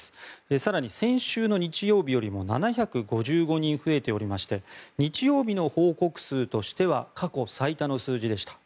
更に先週の日曜日よりも７５５人増えておりまして日曜日の報告数としては過去最多の数字でした。